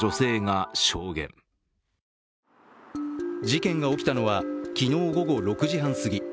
事件が起きたのは昨日午後６時半すぎ。